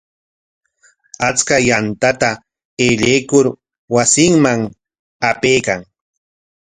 Achka yantata aylluykur wasinman apaykan.